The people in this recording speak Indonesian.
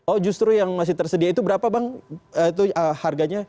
oh justru yang masih tersedia itu berapa bang itu harganya